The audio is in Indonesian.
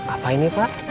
apa ini pak